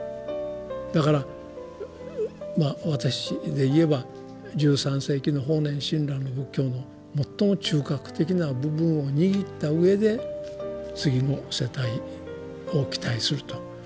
だからまあ私で言えば１３世紀の法然親鸞の仏教の最も中核的な部分を握ったうえで次の世代を期待すると。